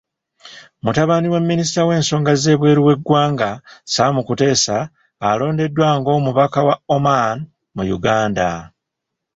Mutabani wa Minisita w'ensonga z'ebweru w'eggwanga, Sam Kuteesa alondeddwa ng'omubaka wa Oman mu Uganda.